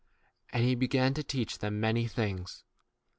And he began 35 to teach them many things.